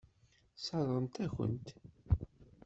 Sseṛɣent-akent-t.